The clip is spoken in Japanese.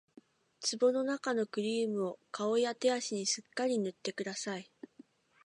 壺のなかのクリームを顔や手足にすっかり塗ってください